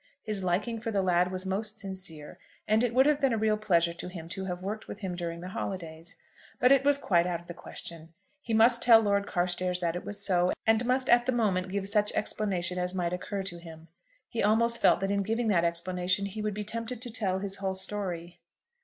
His liking for the lad was most sincere, and it would have been a real pleasure to him to have worked with him during the holidays. But it was quite out of the question. He must tell Lord Carstairs that it was so, and must at the moment give such explanation as might occur to him. He almost felt that in giving that explanation he would be tempted to tell his whole story.